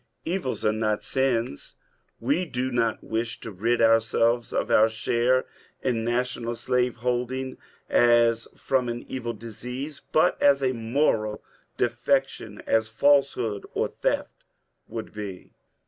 EvUs are not sins. We do not wish to rid ourselves of our share in national slaveholding as from an evil disease, but as a moral defection, as falsehood or theft would be.